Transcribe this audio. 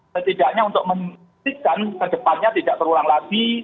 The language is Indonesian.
setidaknya untuk memastikan ke depannya tidak terulang lagi